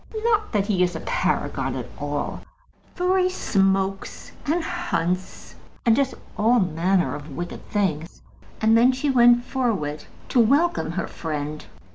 Not that he is a Paragon at all, for he smokes and hunts, and does all manner of wicked things." And then she went forward to welcome her friend.